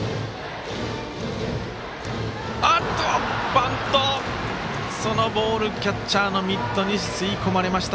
バントキャッチャーのミットに吸い込まれました。